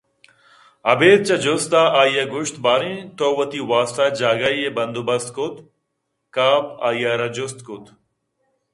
ابید چہ جست ءَ آئی گوٛشت باریں تو وتی واستہ جاگہے ءِ بندوبست کُت ؟کاف آئی ءَ راجست کُت